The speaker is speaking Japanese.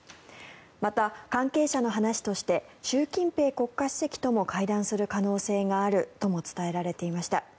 また、関係者の話として習近平国家主席とも会談する可能性があるとも伝えられていました。